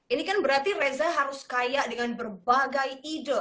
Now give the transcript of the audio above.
ini kan berarti reza harus kaya dengan berbagai ide